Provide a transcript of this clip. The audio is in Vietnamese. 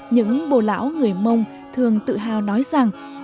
những bồ lão người mông thường tự hào nói rằng